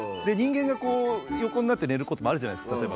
で人間がこう横になって寝ることもあるじゃないですか。